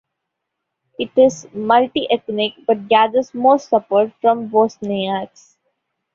It is multi-ethnic, but gathers most support from Bosniaks.